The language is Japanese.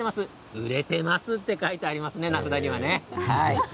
売れていますと書いてありますが名札にはね。